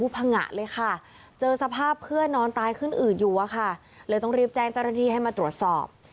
พังงะเลยค่ะเจอสภาพเพื่อนนอนตายขึ้นอืดอยู่อะค่ะเลยต้องรีบแจ้งเจ้าหน้าที่ให้มาตรวจสอบ